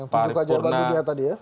yang tujuh kajian baru dia tadi ya